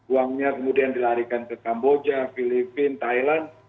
uangnya kemudian dilarikan ke kamboja filipina thailand